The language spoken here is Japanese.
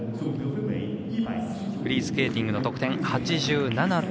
フリースケーティングの得点８７．３２。